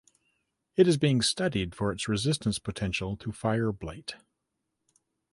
It is being studied for its resistance potential to fire blight.